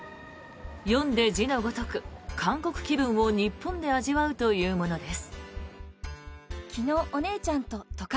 読んで字のごとく、韓国気分を日本で味わうというものです。